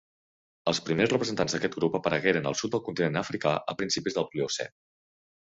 Els primers representants d'aquest grup aparegueren al sud del continent africà a principis del Pliocè.